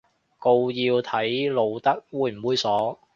告要睇露得猥唔猥褻